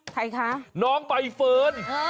ใครคะน้องใบเฟิร์น